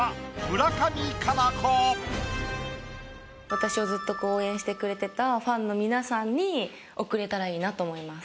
私をずっと応援してくれてたファンの皆さんに贈れたらいいなと思います。